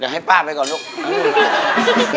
ให้ป้าไปก่อนลูก